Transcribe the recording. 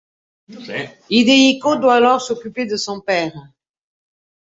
Hidehiko doit alors s'occuper de son père.